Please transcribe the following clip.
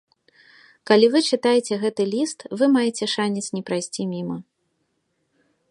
Калі вы чытаеце гэты ліст, вы маеце шанец не прайсці міма.